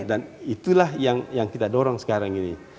dan itulah yang kita dorong sekarang ini